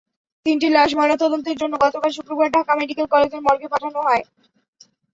তিনটি লাশ ময়নাতদন্তের জন্য গতকাল শুক্রবার ঢাকা মেডিকেল কলেজের মর্গে পাঠানো হয়।